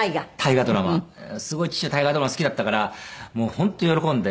すごい父は大河ドラマ好きだったからもう本当喜んで。